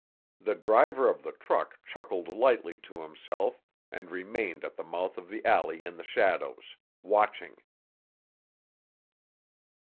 The driver of the truck chuckled lightly to himself and remained at the mouth of the alley in the shadows, watching.